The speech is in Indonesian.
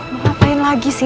mau ngapain lagi sih